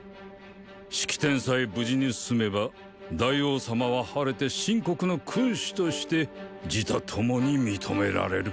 式典さえ無事にすめば大王様は晴れて秦国の君主として自他共に認められる。